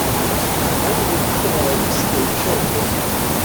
kandi umutima wawe usigaye ucogora